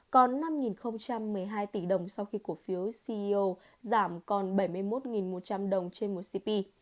còn năm một mươi hai tỷ đồng sau khi cổ phiếu ceo giảm còn bảy mươi một một trăm linh đồng trên một cp